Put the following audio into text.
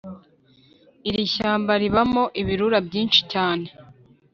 Irishyamba ribamo ibirura byinshi cyane